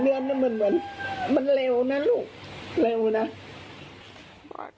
อีก๒เดือนมันเหลวนะลูกเร็วนะ